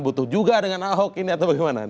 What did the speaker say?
butuh juga dengan ahok ini atau bagaimana